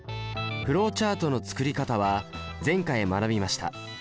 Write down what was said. フローチャートの作り方は前回学びました。